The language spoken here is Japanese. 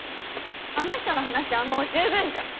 あの人の話はもう十分じゃ！